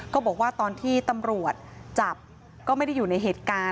ก็บอกว่าตอนที่ตำรวจจับก็ไม่ได้อยู่ในเหตุการณ์